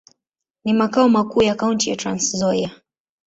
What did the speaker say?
Ni makao makuu ya kaunti ya Trans-Nzoia.